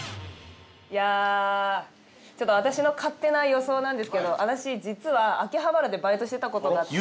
いやあちょっと私の勝手な予想なんですけど私実は秋葉原でバイトしてた事があって。